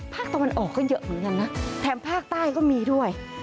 ภาคตะวันออกก็เยอะเหมือนกันนะแถมภาคใต้ก็มีด้วย